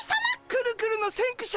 くるくるの先駆者！